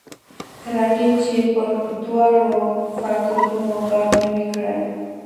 تر هغې چې پر دواړو فکټورنو غور نه وي کړی.